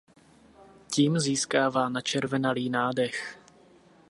Tím získává načervenalý nádech.